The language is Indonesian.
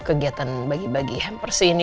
kegiatan bagi bagi hampers ini